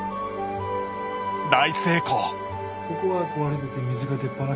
大成功。